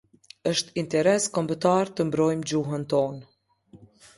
Është interes kombëtar të mbrojmë gjuhën tonë.